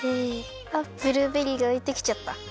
あっブルーベリーがういてきちゃった。